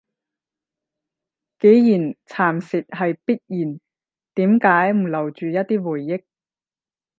既然蠶蝕係必然，點解唔留住一啲回憶？